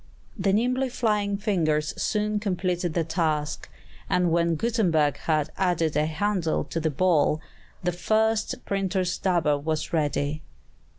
The nimbly flying fingers soon completed the task; and when Gutenberg had added a handle to the ball, the first printer's dabber was ready.